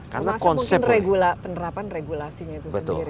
termasuk mungkin penerapan regulasinya itu sendiri